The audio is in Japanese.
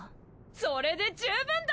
それで十分だ